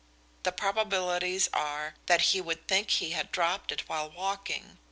The probabilities are that he would think he had dropped it while walking.